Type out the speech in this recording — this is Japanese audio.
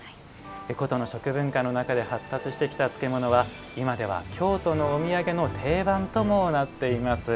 古都の食文化の中で発達してきた漬物は今では、京都のお土産の定番ともなっています。